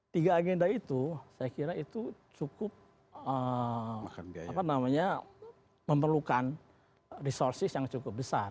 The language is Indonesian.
tiga agenda itu saya kira itu cukup memerlukan resources yang cukup besar